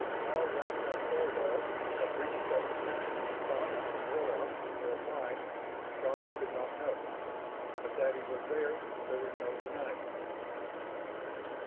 How Ragnar Thorvald had reached that particular spot on Warlock or why, Shann could not know. But that he was there, there was no denying.